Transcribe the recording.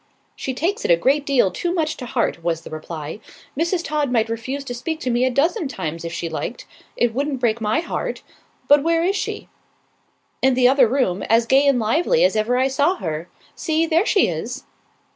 "She takes it a great deal too much to heart," was the reply. "Mrs. Todd might refuse to speak to me a dozen times, if she liked. It wouldn't break my heart. But where is she?" "In the other room, as gay and lively as ever I saw her. See, there she is."